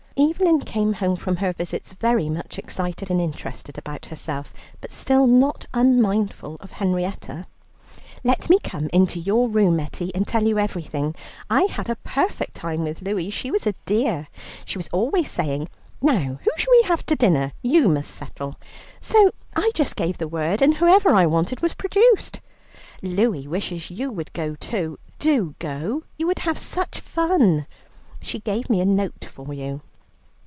Evelyn came home from her visits very much excited and interested about herself, but still not unmindful of Henrietta. "Let me come in to your room, Etty, and tell you everything. I had a perfect time with Louie; she was a dear. She was always saying, 'Now, who shall we have to dinner? You must settle;' so I just gave the word, and whoever I wanted was produced. Louie wishes you would go too. Do go, you would have such fun. She gave me a note for you."